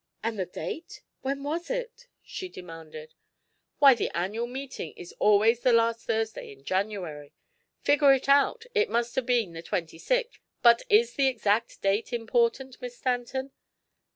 "And the date when was it?" she demanded. "Why, the annual meeting is always the last Thursday in January. Figure it out it must have been the twenty sixth. But is the exact date important, Miss Stanton?"